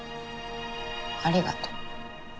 ありがと。